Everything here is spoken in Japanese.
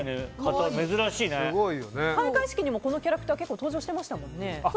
開会式にもこのキャラクター結構登場してましたよね。